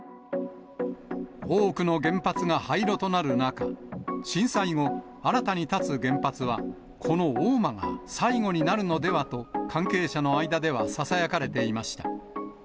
多くの原発が廃炉となる中、震災後、新たに建つ原発はこの大間が最後になるのではと、関係者の間ではささやかれていました。